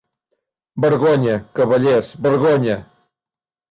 Vergonya, cavallers, vergonya!